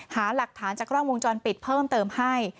หาหลักฐานจากกล้องวงจรปิดเพิ่มเติมให้